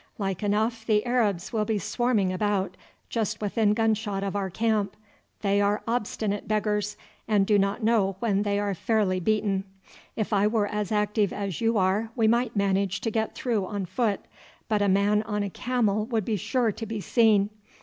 Like enough the Arabs will be swarming about just within gun shot of our camp. They are obstinate beggars, and do not know when they are fairly beaten. If I were as active as you are we might manage to get through on foot, but a man on a camel would be sure to be seen.